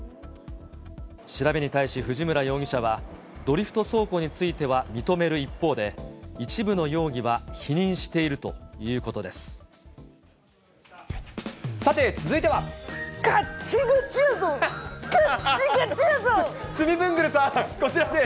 調べに対し、藤村容疑者は、ドリフト走行については認める一方で、一部の容疑は否認しているということです。